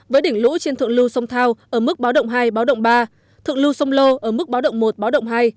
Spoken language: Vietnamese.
với đỉnh lũ trên thượng lưu sông thao ở mức báo động hai báo động ba thượng lưu sông lô ở mức báo động một báo động hai